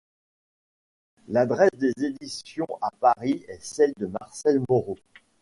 L’adresse des éditions à Paris est celle de Marcel Moreau.